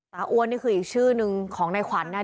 เตอร์อ้วนคืออีกชื่อนึงของในขวัญนะ